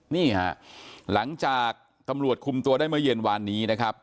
นี่ฮะหลังจากตำรวจคุมตัวได้เมื่อเย็นวานนี้นะครับ